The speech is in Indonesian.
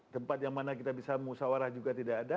tempat yang mana kita bisa musawarah juga tidak ada